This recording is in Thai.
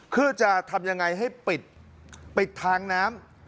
เพื่อจะทำยังไงให้ปิดทางน้ำ